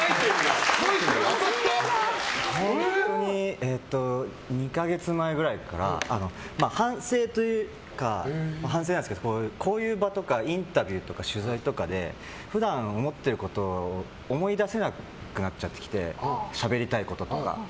本当に２か月前ぐらいから反省というかこういう場とかインタビューとか取材とかで普段、思ってることを思い出せなくなっちゃってきてしゃべりたいこととか。